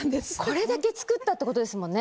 これだけ作ったってことですもんね。